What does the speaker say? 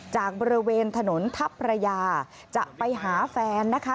จากบริเวณถนนทัพพระยาจะไปหาแฟนนะคะ